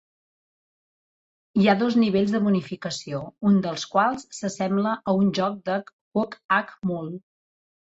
Hi ha dos nivells de bonificació, un dels quals s'assembla a un joc de Whac-A-Mole.